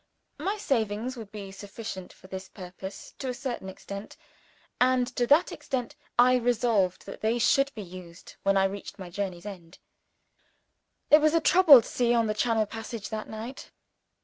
My savings would suffice for this purpose to a certain extent and to that extent I resolved that they should be used when I reached my journey's end. It was a troubled sea on the channel passage that night.